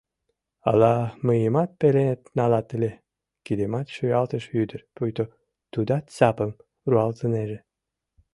— Ала мыйымат пеленет налат ыле? — кидымат шуялтыш ӱдыр, пуйто тудат сапым руалтынеже.